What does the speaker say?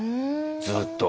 ずっと。